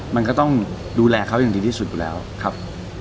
มันก็ต้องดูแลเขาอย่างดีที่สุดอยู่แล้วครับ